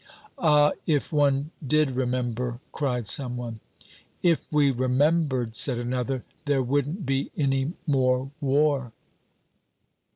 "Ah, if one did remember!" cried some one. "If we remembered," said another, "there wouldn't be any more war."